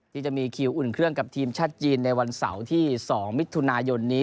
ที่จะมีคิวอุ่นเครื่องกับทีมชาติจีนในวันเสาร์ที่๒มิถุนายนนี้